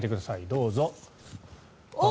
どうぞ。